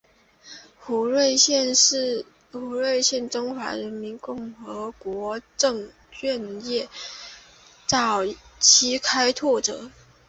胡瑞荃中华人民共和国证券业的早期开拓者。